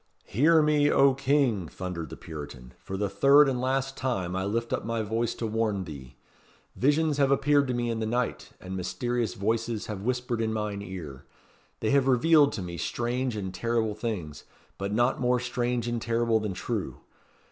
"Hear me, O King!" thundered the Puritan. "For the third and last time I lift up my voice to warn thee. Visions have appeared to me in the night, and mysterious voices have whispered in mine ear. They have revealed to me strange and terrible things but not more strange and terrible than true.